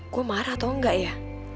gue marah tau gak ya